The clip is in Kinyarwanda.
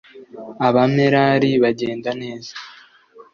Abamerari bagenda neza